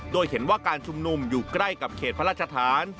โดยเห็นว่าการชุมนุมอยู่ใกล้กับเขตพระราชฐาน